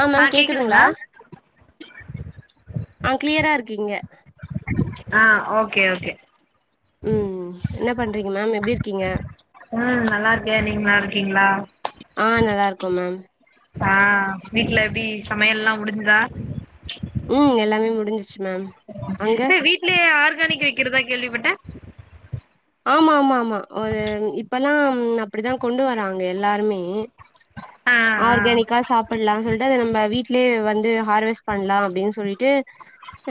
ஆ ma'am கேக்குதுங்ளா ஆ க்ளியராருக் இங்க ஆ ஓகே ஓகே ம் என்ன பண்றீங்க மேம் எப்டிர்க்கிங்க உ நல்லார்க்கே நீங்க நலார்க்கீங்ளா ஆ நல்லார்க்கோ மேம் ஆ வீட்ல எப்டி சமையல்லா முடிஞ்சுதா ம் எல்லாமே முடிஞ்சிச்சு மேம் அங்க ஏ வீட்லியே ஆர்கானிக் வைக்கிறதா கேள்விப்பட்டே ஆமா மா மா ஒரு இப்பல்லாம் அப்டிதா கொண்டு வராங்க எல்லாருமே ஆ ஆ ஆர்கனிக்கா சாப்புல்லா ஹெல் தது நம்ப வீட்லே வந்து ஹார்வஸ் பண்லா அப்டின் சொல்லிட்டு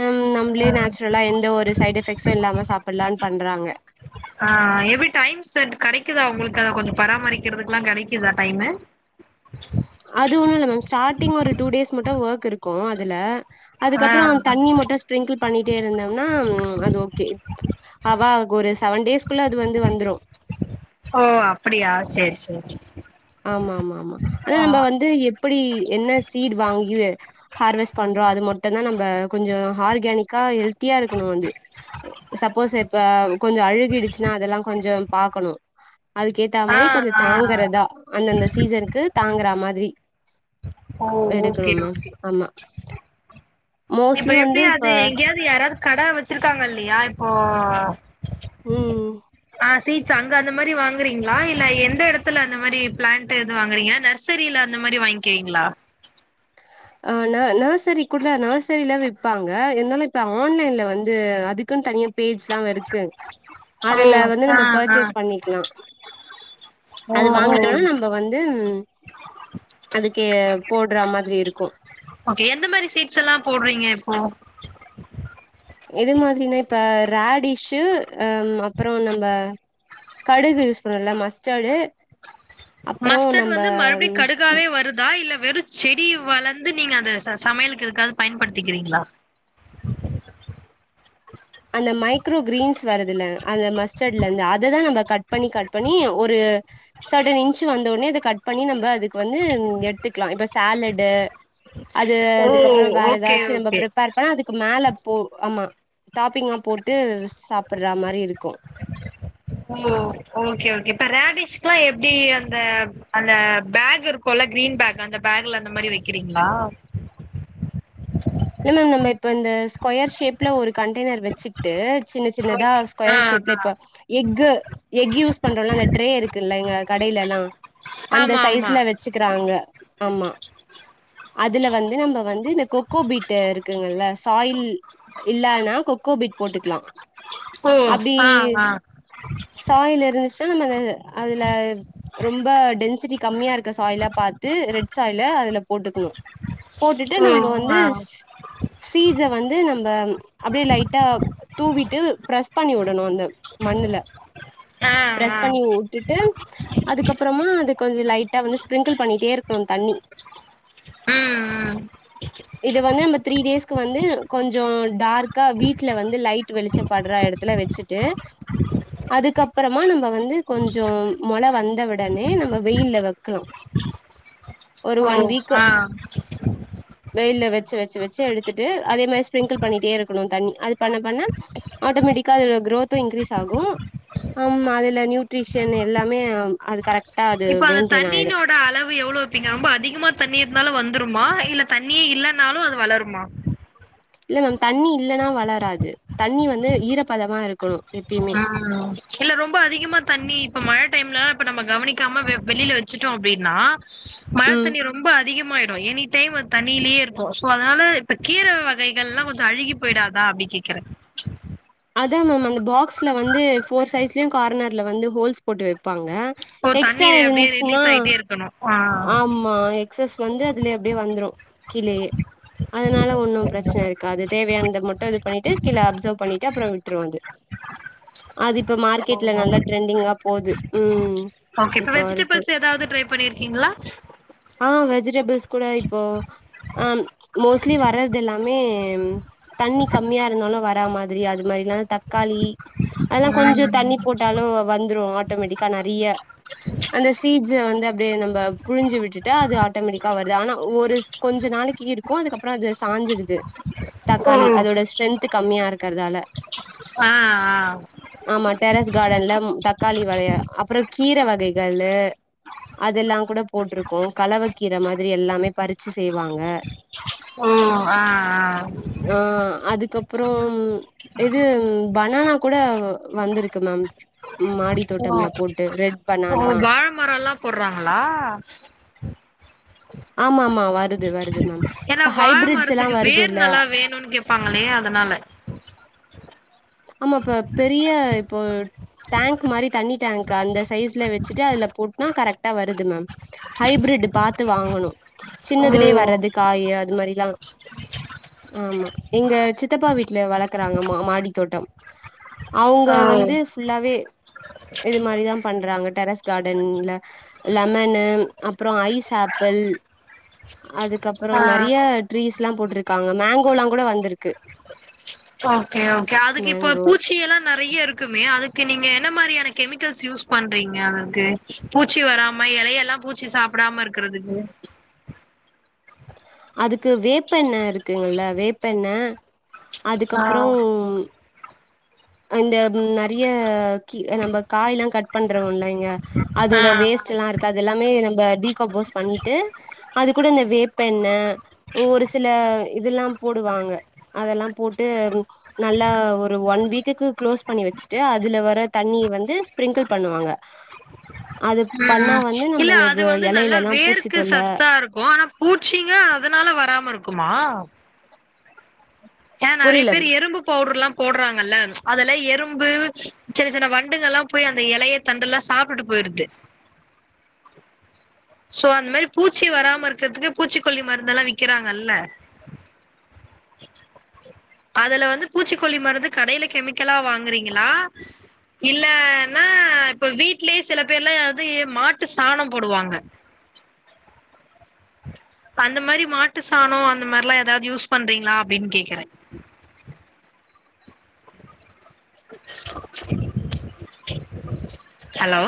அம் நம்ளே நேச்சுரலா எந்த ஒரு சைட் எஃபெக்ஸு இல்லாம சாப்புல்லான் பண்றாங்க ஆ எப்டி டைம் செட் கடைக்குதா உங்ளுக்கு அ கொஞ்சு பராமரிக்கிறதுக்லா கடைக்கிதா டைமு அது ஒன்னுல்ல மேம் ஸ்டாட்டிங் ஒரு டூ டேஸ் மட்டு வக் இருக்கு அதுல ஆ அதுக்கப்றோ அந் தண்ணி மட்டு ஸ்பிரிங்குள் பண்ணிட்டே இருந்தம்னா அது ஓகே இப் அவாக் ஒரு செவன் டேஸ்குள்ள அது வந்து வந்த்ரு ஓ அப்படியா ச்செரி செரி ஆமாமாமா ஆனா நம்ப வந்து எப்டி என்ன சீரு வாங்கி ஹேர் வாஷ் பண்றோ அது மட்டுந்தா நம்ப கொஞ்சோ ஆர்கானிக்கா ஹெல்த்தியா இருக்கணு அது சப்போஸ் இப்ப கொஞ்சோ அழுகிடுச்சுன்னா அதெல்லா கொஞ்சோ பாக்கணு அதுக்கேத்த ஆ மாரி கொஞ்சோ ஆ தாங்கறதா அந்தந்த சீசனுக்கு தாங்கறா மாதிரி ஓ ஓகே எடுக்கணும் மேம் ஓகே ஆமா இப்ப மோஸ்ட்லி வந்து எப்டி இப்ப அது எங்கியாது யாராது கடை வெச்சிருக்காங்க இல்லையா இப்போ ம் ஆ சீட்ஸ் அங்க அந்த மாரி வாங்குறீங்ளா இல்ல எந்த எடத்துல அந்த மாரி பிளான்ட்து வாங்குறீங்க நர்சரில அந்த மாரி வாங்கிறீங்ளா ஆ ந நர்சரி கூட நர்சரில விப்பாங்க இருந்தாலு இப்ப ஆன்லைன்ல வந்து அதுக்குன் தனியா பேஜெல்லா இருக்கு ஓ! அதுல வந்து ஆ நம்ம ஆ. பர்சேஸ் பண்ணிக்கலா அது ஓஹோ! வாங்கிட்டோனா நம்ப வந்து அந்த கே போட்றா மாதரி இரு ஓகே எந்த மாரி சீட்ஸெல்லா போடுறீங்க இப்போ எது மாதிரினா இப்ப ராடிஷு அ ம் அப்றோம் நம்ப கடுகு சொன்னனல்ல மஸ்டர்டு அப்புறோ மஸ்டர்டு நம்ம வந்து மறுபடி கடுகாவே வருதா இல்ல வெறு செடி வளந்து நீங்க அத ச சமையலுக்கு எதுக்காது பயன்படுத்திகிறீங்ளா அந்த மைக்ரோ கிரீன்ஸ் வருதுல அந்த மஸ்டர்டுலந்து அததா நம்ம கட் பண்ணி கட் பண்ணி ஒரு சடன் இன்ச்சு வந்தனொன்னே அத கட் பண்ணி நம்ப அதுக்கு வந்து எடுத்துக்லா இப்ப சேலடு அது ஓ! அதுக்கப்றோ வேற ஓகே எதாச்சு நம்ப ஓகே. பிரிப்பேர் அப்பனா அதுக்கு மேல போ ஆமா டாப்பிங்கா போட்டு சாப்பர்றா மாரி இருக்கு [inaudible] ஓ ஓகே ஓகே இப்ப ரேடிஷ்க்லா எப்டி அந்த அந்த பேக் இரு க்குல்ல கிரீன் பேக் அந்த பேக்ல அந்த மாரி வெக்கிறீங்ளா இல்ல நம்ம இப்ப இந்த ஸ்கொயர் ஷேப்ல ஒரு கண்டெய்னர் வெச்சு ட்டு சின்ன ஓகே. சின்னதா ஆ ஸ்கொயர் ஷேப்ல ஆ. இப்ப எக்கு எக் யூஸ் பண்றோல்ல அந்த ட்ரே இருக்குல்லங்க கடைல எல்லா அந்த ஆமா ஆமா. சைஸ்ல வெ சுக்கிறாங்க ஆமா அதுல வந்து நம்ப வந்து இந்த கொ க்கோபீட் இருக்குங்கல்ல சாயில் இல்லனா கொக்கோபீட் போட்டுக்கலா ம் அப்டி ஆ ஆ சாயில் இருந்துச்சுன்னா நம்ம அதுல ரொம்ப டென்சிட்டி கம்மியா இருக்க சாயிலா பாத்து ரெட் சாயில அதுல போட்டுக்கணு போட்டுட்டு நம்ப ம் வந்து ஆ சீஜ வந்து நம்ம அப்டியே லைட்டா தூவிட்டு பிரஸ் பண்ணி விடணு அந்த மண்ணுல ஆ ஆ பிரஸ் பண்ணி வுட்டு ட்டு அதுக்கப்பறமா அது கொஞ்சோ லைட்டா வந்து ஸ்பிரிங்கிள் பண்ணிட்டே இருக்கணு தண்ணி ம் ம் இத வந்து நம்ம த்ரீ டேஸ்க்கு வந்து கொஞ்சோ டார்க்கா வீட்ல வந்து லைட் வெளிச்சம்படற எடத்துல வெச்சுட்டு அதுக்கப்பறமா நம்ப வந்து கொஞ்சம் மொள வந்தவுடனே நம்ம வெயில்ல வெக்கணு ம் ஆ வெயில்ல வெச்சு வெச்சு வெச்சு எடுத்துட்டு அதே மாரி ஸ்ப்ரிங்கிள் பண்ணிட்டே இருக்கணு தண்ணி அது பண்ண பண்ண ஆட்டோமேட்டிக்கா அதோட குரோத்து இன்க்ரீஸ் ஆகு ஆமா அதுல நியூட்ரிஷன் எல்லாமே அது கரெக்டா அது மெயின்டெய்ன் ஆயிடு ட அளவு எவ்ளோ வப்பீங்க ரொம்ப அதிகமா தண்ணி இருந்தாலும் வந்துருமா இல்ல தண்ணியே இல்லைனாலும் அது வளருமா இல்ல மேம் தண்ணி இல்லன்னா வளராது தண்ணி வந்து ஈரப்பதமா இருக்கணு எப்பயுமே ஆ இல்ல ரொம்ப அதிகமா தண்ணி இப்ப மழ டைம்லா இப்ப நம்ம கவனிக்காம வெ வெளியில வச்சுட்டோம் அப்டின்னா மழ ம் தண்ணி ரொம்ப அ அதிகமயுடு எனி டைம் அத் தண்ணிலேயே இருக்கோ சோ அதனால கீர வகைகள் லா கொஞ்சொ அழுகிப் போயிடாத அப்டி கேக்குற அதான் மேம் அந்த பாக்ஸ்ல வந்து ஃபோர் சைஸ்லயும் கார்னர்ல வந்து ஹோல்ஸ் போட்டு வைப் பாங்க இப்போ எக்ஸ்ட தண்ணீர் அப்டியே இருந்துசுனா ரிலீஸ் ஆயிட்டே இருக்கணு ஆ ஆம் ப மா எக்ஸஸ் வந்து அதுலயே அப்டியே வந்துரு கீழேயே அதனால ஒன்னு ப்ரச்சன இருக்காது அது தேவையானத மட்டு இது பண்ணிட்டு கீழே அப்சர்வ் பண்ணிட்டு அப்றோ விட்டுரு அது அது இப்ப மார்க்கெட்ல நல்லா ம் ட்ரெண்டிங்கா போது ம் ஓகே இப்ப வெஜிடேபிள்ஸ் ஏதாது ட்ரை பண்ணியிருக்கீங்ளா ஆ வெஜிடேபிள்ஸ் கூட இப்போ ஆ ம் மோஸ்ட்லி வர்றது எல்லாமே தண்ணி கம்மியா இருந்தாலும் வராம ரி அது மாரி லா தக்காளி அதெல்லா கொஞ்சொ ம் தண்ணி போட்டாலு வந்துரு அ ஆட்டோமெட்டிக்கா நறியா அந்த சீட்ஸ் அ வந்து அப்டியே நம்ப புழிஞ்சு விட்டுட்டா அது ஆட்டோமெட்டிக்கா வருது ஆனா அ ஒரு கொஞ்ச நாளைக்கு இருக்கு அதுகப்றொ அது சாஞ்சிடுது [unintelligible] தக்காளி அதோட ஸ்ட்ரென்த் கம்மியா இருக்கறதால ஆ ஆ ஆமா டெரஸ் கார்டன்ல தக்காளி வளைய அப்றோம் கீர வகைகளு அதெல்லா கூட போட்டிருக்கோம் கலவக்கீர மாதிரி எல்லாமே பறிச்சு செய்வாங்க ஓ ஆ ஆ ஆ அதுக்கப்றோம் இது பனானா கூட வந்திருக்கு மேம் மாடித்தோட்டம்ல போட்டு ரெட் பனானா மரம்லா போடுறாங்களா ஆமா ஆமா வருது வருது மேம் ஏன்னா இப்ப ஹைபிரிட்ஸ் லா வருது ல்ல பப்பாங்களே அதனால ஆமா இப்ப பெரிய இப்போ ட் டேங்க் மாரி தண்ணி டேங்க் அந்த சைஸ்ல வச்சுட்டு அதுல போட்னா கரெக்டா வருது மேம் ஹைபிரிட் பாத்து வாங்கணு ஓ சின்னதுலயே வர்றது காய் அது மாரி லா ஆமா எங்க சித்தப்பா வீட்டுல வளர்க்கறாங்கமா மாடி தோட்டம் அவுங்க ஓ வந்து ஃபுல்லாவே இது மாரிதா பண்றாங்க டெரஸ் கார்டன்ல லெமனு அப்றோ ஐஸ் ஆபிள் அதுக்கப்றோ ஆ நெறயா ட்ரீஸ் லா போட்ருக்காங்க மேங்கோ லா கூட வந்துருக்கு ஓகே ஓகே அதுக்கு இப்ப மேங்கோ பூச்சி எல்லா நெறைய இருக்கு மே அதுக்கு நீங்க என்ன மாரியான கெமிகல்ஸ் யூஸ் பண்றீங்க அதுக்கு பூச்சி வராம எலையெல்லா பூச்சி சாப் படாம இருக்குறதுக்கு அதுக்கு வேப்பெண்ண இருக்குங்ல்ல வேப்ப எண்ண ஆ அதுக்கப்றோ அந்த ம் நெறைய கி நம்ப காய் லா கட் பண்றோல இங்க ஆ அதோட ஆ வேஸ்ட் லா இருக்கு அது எல்லாமே நம்ப டிகம்போஸ் பண்ணிட்டு அது கூட இந்த வேப் பெண்ணு ஒரு சில அ இதெல்லா போடுவாங்க அதெல்லா போட்டு நல்லா ஒரு ஒன் வீக்குக்கு க்ளோஸ் பண்ணி வச்சுட்டு அதுல வர தண்ணி வந்து ஸ்பிரிங்கிள் பண்ணுவாங்க ஹ ம் ம் இல்ல அது வந்து நல்லா இலையிலல்லா பூச்சி வேர்க்கு தொல்ல சத்தா இருக்கு ஆனா பூச்சிங்க அதனால வராம இருக்குமா ஏன் நெறய புரியல பேர் எறும்பு பவுடர் லா போட்றாங்கல்ல ம் அதுல எறும்பு சின்ன சின்ன வண்டுங்கலா போய் அந்த இலய தண்டு லா சாப்டுட்டு போயிடுது சோ அந்த மாரி பூச்சி வராம இருக்குறதுக்கு பூச்சிக்கொல்லி மருந்தெல்லா விக்கிறாங்கல்ல அதுல வந்து பூச்சிக்கொல்லி மருந்து கடையில கெமிக்கலா வாங்குறீங்களா இல்லன்னா இப்ப வீட்லயே சில பேர்லா யாராது மாட்டு சாணோ போடுவாங்க அந்த மாரி மாட்டு சாணம் அந்த மாரிலா ஏதாவது யூஸ் பண்றீங்களா அப்டின்னு கேக்குற ஹலோ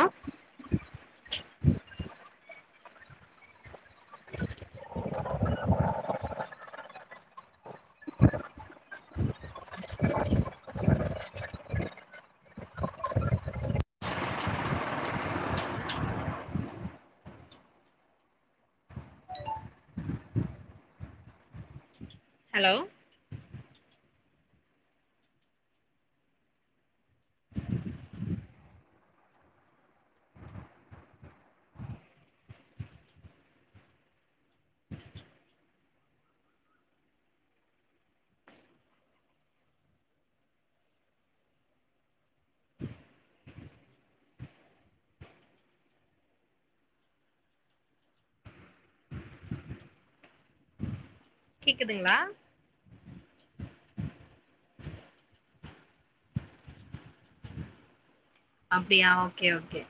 [inaudible] [inaudible] ஹலோ [inaudible] [inaudible] கேக்குதுங்ளா அப்டியா ஓகே ஓகே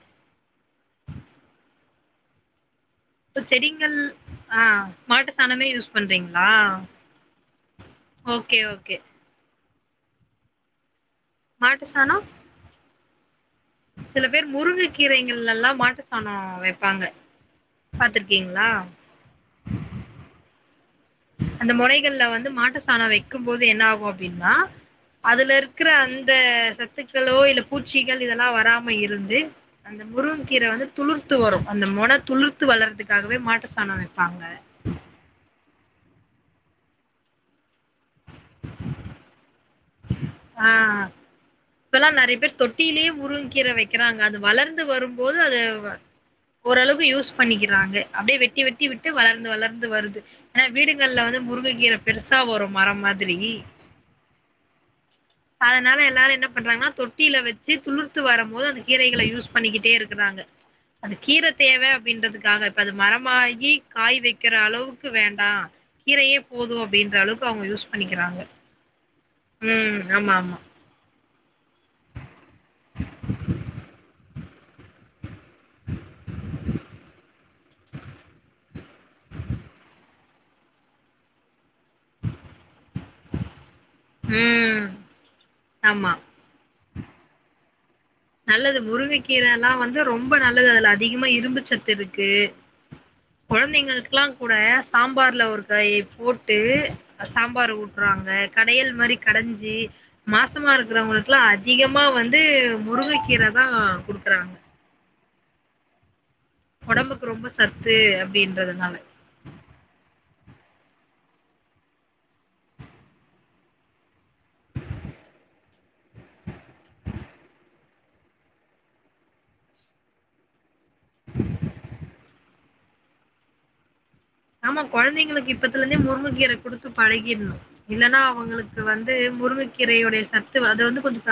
இப்ப செடிகள் ஆ மாட்டு சாணமே யூஸ் பண்றீங்ளா ஓகே ஓகே மாட்டு சானோ சில பேர் முருங்கை கீரைகள் எல்லா மாட்டு சாணோ வெப்பாங்க பாத்ருக்கீங்ளா அந்த முறைகள்ல வந்து மாட்டு சாணம் வைக்கும் போது என்ன ஆகு அப்டின்னா அதுல இருக்கற அந்த சத்துக்களோ இல்ல பூச்சிகள் இதெல்லா வராம இருந்து அந்த முருக கீர வந்து துளுர்த்து வரு அந்த மொன துளுர்த்து வளரதுக்காகவே மாட்டு சாணோ வப்பாங்க ஆ இப்பெல்லா நெறய பேரு தொட்டியிலே முருங்கக்கீர வக்கிறாங்க அது வளர்ந்து வரும்போது அது ஓரளவுக்கு யூஸ் பண்ணிக்கிறாங்க அப்டியே வெட்டி வெட்டி விட்டு வளர்ந்து வளர்ந்து வருது ஆனா வீடுகள்ல வந்து முருங்ககீர பெருசா வரு மரம் மாதிரி அதனால எல்லாரு என்ன பண்றாங்கனா தொட்டியில வச்சு துளுர்த்து வரு போது அந்த கீரைகள யூஸ் பண்ணிக்கிட்டே இருக்குறாங்க அந்த கீர தேவ அப்டின்றதுக்காக இப்ப அது மரமாகி காய் வைக்கிற அளவுக்கு வேண்டா கீரையே போது அப்டின்ற அளவுக்கு அவுங்க யூஸ் பண்ணிக்கிறாங்க ம் ஆமா ஆமா [inaudible] ம் ஆமா நல்லது முருங்கக்கீர எல்லா வந்து ரொம்ப நல்லது அதுல அதிகமா இரும்பு சத்து இருக்கு கொழந்தைங்களுக்கெள்ளா கூட சாம்பார்ல ஒரு கைய போட்டு சாம்பார் ஊட்றாங்க கடையல் மாரி கடஞ்சி மாசமா இருக்கிறவங்களுக்குலா அதிகமா வந்து முருங்கக்கீர தா குடுக்குறாங்க உடம்புக்கு ரொம்ப சத்து அப்டின்றதுனால ஆமா கொழந்தைங்களுக்கு இப்பத்துல இருந்தே முருங்கக்கீர குடுத்து பழகிடணு இல்லன்னா அவுங்களுக்கு வந்து முருங்கக்கீரையுடைய சத்து அது வந்து கொஞ்ச